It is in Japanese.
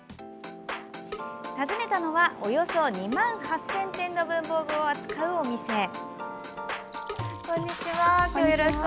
訪ねたのはおよそ２万８０００点の文房具を扱うお店。